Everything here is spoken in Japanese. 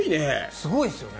すごいですよね。